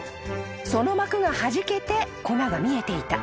［その膜がはじけて粉が見えていた］